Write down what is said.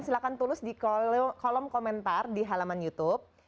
silakan tulis di kolom komentar di halaman youtube